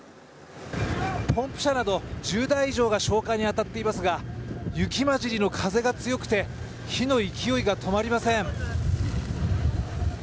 ポンプ車など１０台以上が消火に当たっていますが雪交じりの風が強くて火の勢いが止まりません。